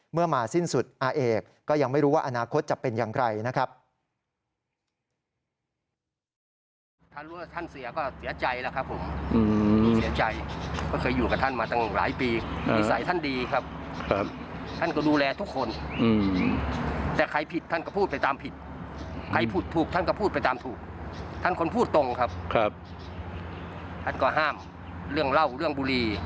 มาสิ้นสุดอาเอกก็ยังไม่รู้ว่าอนาคตจะเป็นอย่างไรนะครับ